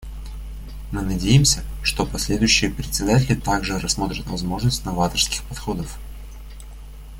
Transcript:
Мы надеемся, что последующие председатели также рассмотрят возможность новаторских подходов.